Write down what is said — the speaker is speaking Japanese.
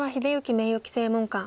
名誉棋聖門下。